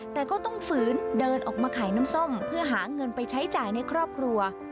แต่ก็ต้องฝืนเดินออกมาขายน้ำส้มเพื่อหาเงินไปใช้จ่ายในครอบครัว